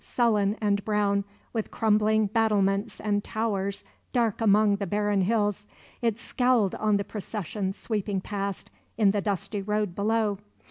Sullen and brown, with crumbling battlements and towers dark among the barren hills, it scowled on the procession sweeping past in the dusty road below.